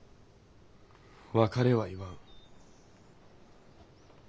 別れは言わん。